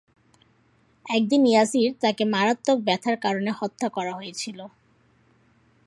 একদিন ইয়াসির তাকে মারাত্মক ব্যথার কারণে হত্যা করা হয়েছিল।